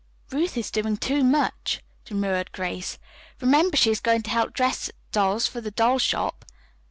"Ruth is doing too much," demurred Grace. "Remember she is going to help dress dolls for the doll shop."